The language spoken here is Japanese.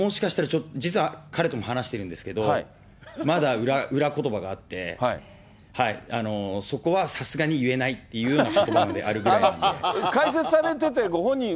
彼、もしかしたら、実は彼とも話してるんですけど、まだ裏ことばがあって、そこはさすがに言えないっていうようなことばまであるくらいなの解説されてて、ご本人は。